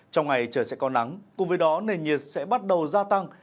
trong ngày trời sẽ có nắng cùng với đó nền nhiệt sẽ bắt đầu gia tăng